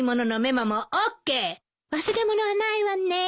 忘れ物はないわね。